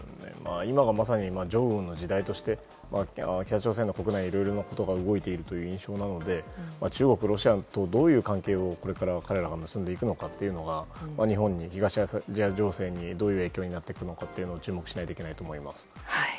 今はまさに正恩の時代として北朝鮮の国内はいろいろなことが動いている印象なので中国、ロシアとどういう関係をこれから彼らが結んでいくのかというのが日本に東アジア情勢にどういう影響が与えられるかに注目しないといけないと思います。